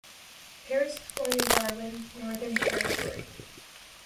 Peris was born in Darwin, Northern Territory.